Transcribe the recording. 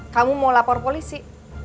kamu mau lapor polisi